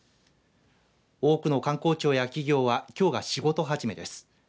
多くの官公庁や企業はきょうが仕事始めです。